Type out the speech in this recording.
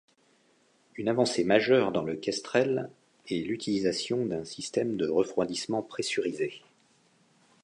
Une avancée majeure dans le Kestrel est l'utilisation d'un système de refroidissement pressurisé.